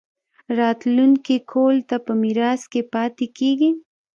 راتلونکي کهول ته پۀ ميراث کښې پاتې کيږي